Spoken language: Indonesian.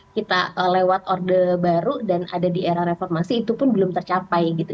kita lewat orde baru dan ada di era reformasi itu pun belum tercapai gitu